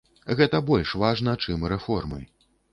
Гэта больш важна, чым рэформы.